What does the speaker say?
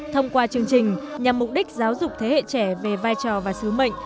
thông qua chương trình nhằm mục đích giáo dục thế hệ trẻ về vai trò và sứ mệnh